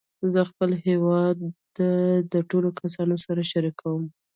زه خپل هېواد د ټولو کسانو سره شریکوم.